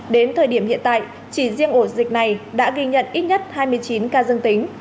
đến thời điểm hiện tại chỉ riêng ổ dịch này đã ghi nhận ít nhất hai mươi chín ca dương tính